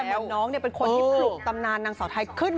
แล้วน้องเป็นคนที่ผลุบตำนานนางสาวไทยขึ้นมา